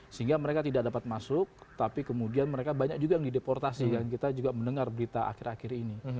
sehingga mereka tidak dapat masuk tapi kemudian mereka banyak juga yang dideportasi dan kita juga mendengar berita akhir akhir ini